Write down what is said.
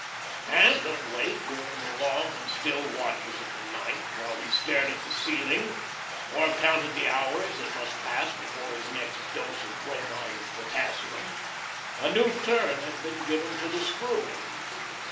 And of late, during the long and still watches of the night, while he stared at the ceiling, or counted the hours that must pass before his next dose of bromide of potassium, a new turn had been given to the screw.